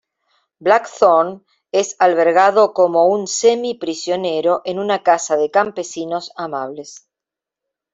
Blackthorne es albergado como un semi-prisionero en una casa de campesinos amables.